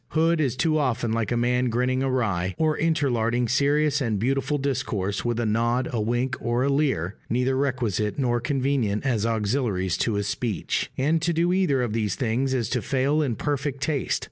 Hood is too often like a man grinning awry, or interlarding serious and beautiful discourse with a nod, a wink, or a leer, neither requisite nor convenient as auxiliaries to his speech: and to do either of these things is to fail in perfect taste.